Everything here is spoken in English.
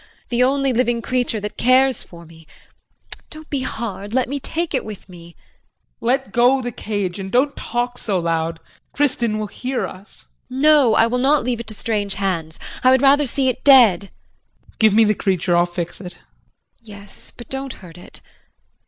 The only living creature that cares for me. Don't be hard let me take it with me. JEAN. Let go the cage and don't talk so loud. Kristin will hear us. JULIE. No, I will not leave it to strange hands. I would rather see it dead. JEAN. Give me the creature. I'll fix it. JULIE. Yes, but don't hurt it.